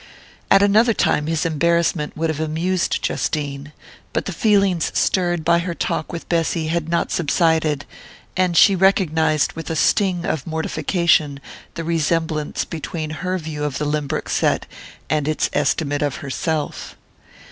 At another time his embarrassment would have amused Justine; but the feelings stirred by her talk with Bessy had not subsided, and she recognized with a sting of mortification the resemblance between her view of the Lynbrook set and its estimate of herself.